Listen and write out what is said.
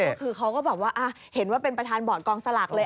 คือเขาก็แบบว่าเห็นว่าเป็นประธานบอร์ดกองสลากเลย